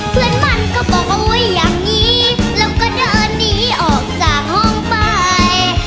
เพื่อนมันก็บอกเอาไว้อย่างนี้แล้วก็เดินหนีออกจากห้องไป